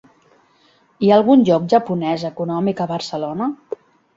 Hi ha algun lloc japonès econòmic a Barcelona?